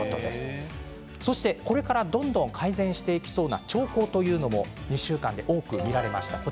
これからどんどん改善していきそうな兆候というのもこの２週間で多く見られました。